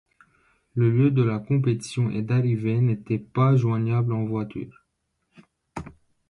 Le lieu de la compétition et d'arrivée n'étaient pas joignables en voiture.